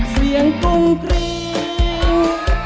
เสียงปุ้งกรีง